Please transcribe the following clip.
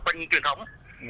quân truyền thống